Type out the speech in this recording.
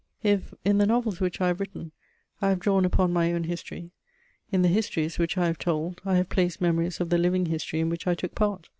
If, in the novels which I have written, I have drawn upon my own history, in the histories which I have told I have placed memories of the living history in which I took part.